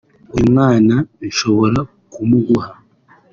uyu mwana nshobora kumuguha